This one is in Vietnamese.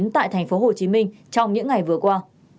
tại tp hcm trong những ngày vừa qua